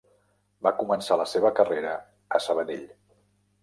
Va començar la seva carrera a Sabadell.